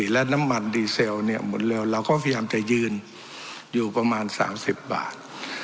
และน้ำมันดีเซลเนี่ยหมดเร็วเราก็พยายามจะยืนอยู่ประมาณ๓๐บาท